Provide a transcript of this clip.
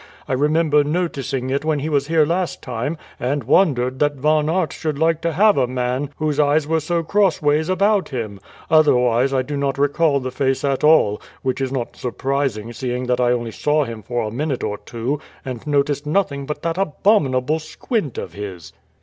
I remember noticing it when he was here last time, and wondered that Von Aert should like to have a man whose eyes were so crossways about him; otherwise I do not recall the face at all, which is not surprising seeing that I only saw him for a minute or two, and noticed nothing but that abominable squint of his."